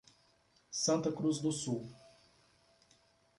Santa Cruz do Sul